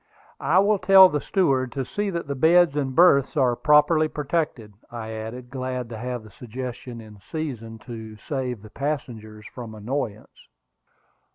"I will tell the steward to see that the beds and berths are properly protected," I added, glad to have the suggestion in season to save the passengers from annoyance.